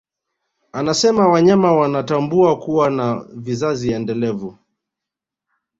Anasema wanyama wanatambua kuwa na vizazi endelevu